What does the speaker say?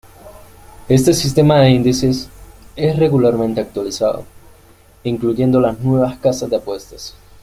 Este sistema de índices es regularmente actualizado, incluyendo las nuevas casas de apuestas.